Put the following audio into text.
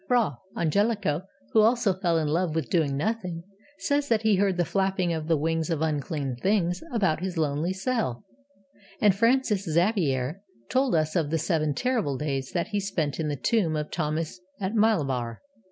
Fra Angelico, who also fell in love with Doing Nothing, says that he heard the flapping of the wings of unclean things about his lonely cell. And Francis Xavier has told us of the seven terrible days that he spent in the tomb of Thomas at Malabar.